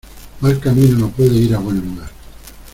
Mal camino no puede ir a buen lugar.